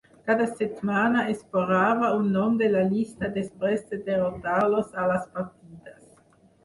Cada setmana, esborrava un nom de la llista després de derrotar-los a les partides.